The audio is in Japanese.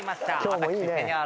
私。